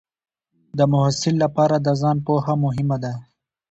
د محصل لپاره د ځان پوهه مهمه ده.